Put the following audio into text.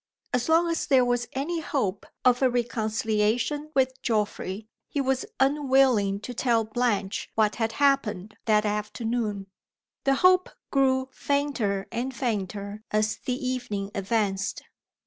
As long as there was any hope of a reconciliation with Geoffrey, he was unwilling to tell Blanche what had happened that afternoon. The hope grew fainter and fainter as the evening advanced.